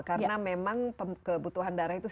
karena memang kebutuhan darah itu